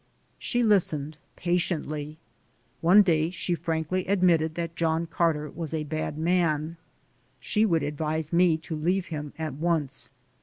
She listened patiently. One day she frankly admitted that John Carter was a bad man ; she would advise me to leave him at once.